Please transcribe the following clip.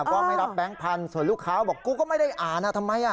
ก็ไม่รับแบงค์พันธุ์ส่วนลูกค้าบอกกูก็ไม่ได้อ่านทำไม